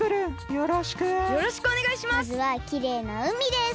よろしくお願いします。